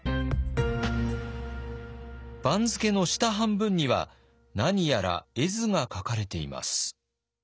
番付の下半分には何やら絵図が描かれています。